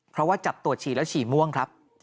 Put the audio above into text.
เพราะว่าจับตรวจฉี่แล้วฉี่ม่วงครับ